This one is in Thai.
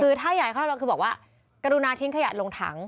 คือถ้าอยากให้เราคือบอกว่ากรุณาทิ้งขยะลงถัง